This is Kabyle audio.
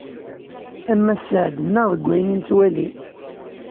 Ama sseɛd-nneɣ deg wayen i nettwali!